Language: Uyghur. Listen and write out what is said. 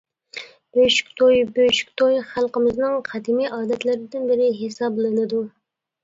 بۆشۈك توي بۆشۈك توي خەلقىمىزنىڭ قەدىمىي ئادەتلىرىدىن بىرى ھېسابلىنىدۇ.